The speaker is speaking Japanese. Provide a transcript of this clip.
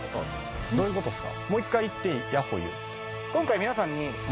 どういうことっすか？